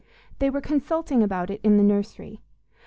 They were consulting about it in the nursery.